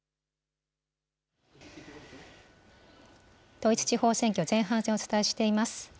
統一地方選挙前半戦をお伝えしています。